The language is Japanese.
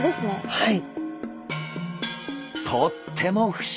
はい。